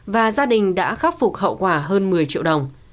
và gia đình đã khắc phục hậu quả hơn một mươi triệu đồng